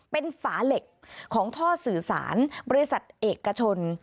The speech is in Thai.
เป็นฝาเหล็กของท่อสื่อสารบริษัทเอกชน